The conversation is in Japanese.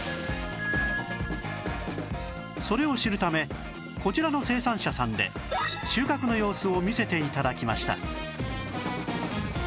それを知るためこちらの生産者さんで収穫の様子を見せて頂きました